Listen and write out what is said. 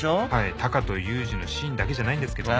タカとユージのシーンだけじゃないんですけどね